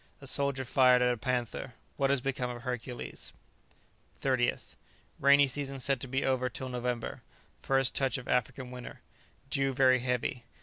A soldier fired at a panther. What has become of Hercules? 30th. Rainy season said to be over till November. First touch of African winter. Dew very heavy.